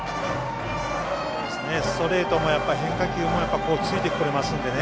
ストレートも変化球もついてこれますんでね。